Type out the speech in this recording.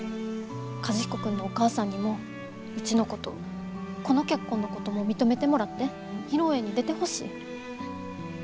和彦君のお母さんにもうちのことこの結婚のことも認めてもらって披露宴に出てほしい。